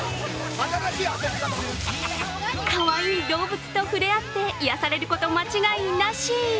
かわいい動物とふれあって癒やされること間違いなし。